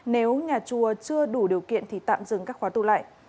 nếu nhà chùa chưa đủ điều kiện thì tạm dừng các khóa tu lại